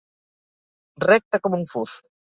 Recte com un fus.